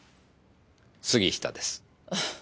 杉下です。